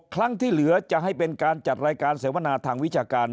ครั้งที่เหลือจะให้เป็นการจัดรายการเสวนาทางวิชาการ